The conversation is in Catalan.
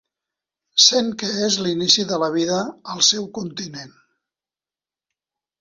Sent que és l'inici de la vida al seu continent.